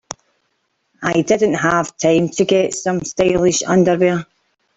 I didn't have time to get some stylish underwear.